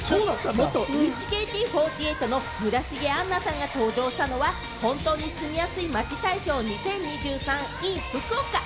元ＨＫＴ４８の村重杏奈さんが登場したのは、本当に住みやすい街大賞２０２３ｉｎ福岡。